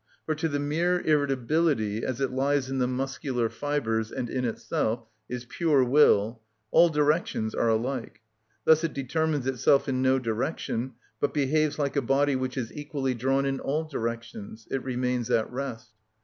For to the mere irritability, as it lies in the muscular fibres and in itself is pure will, all directions are alike; thus it determines itself in no direction, but behaves like a body which is equally drawn in all directions; it remains at rest.